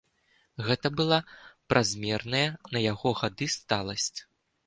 Гэта была празмерная на яго гады сталасць.